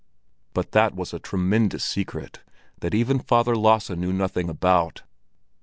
But that was a tremendous secret, that even Father Lasse knew nothing about.